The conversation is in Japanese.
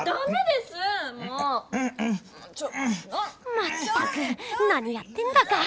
まったくなにやってんだか。